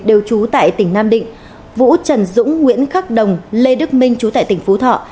đều trú tại tỉnh nam định vũ trần dũng nguyễn khắc đồng lê đức minh chú tại tỉnh phú thọ